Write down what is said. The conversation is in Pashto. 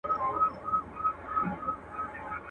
د قدرت نشه مي نه پرېږدي تر مرگه.